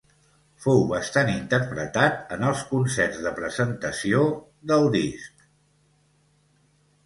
Fou bastant interpretat en els concerts de presentació del disc.